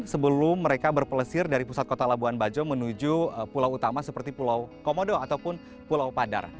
sebelum mereka berpelesir dari pusat kota labuan bajo menuju pulau utama seperti pulau komodo ataupun pulau padar